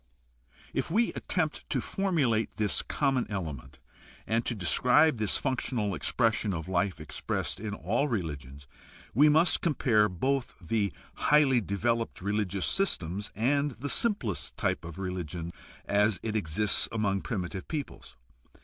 If we attempt to formulate this common element and to describe this functional expression of life expressed in all religions, we must compare both the highly developed religious systems and the simplest t} pe of religion as it exists among primitive peoples.